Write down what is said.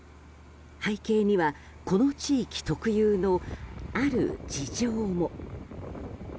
背景には、この地域特有のある事情も。